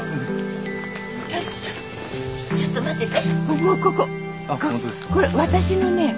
ちょっとちょっとちょっと待ってて。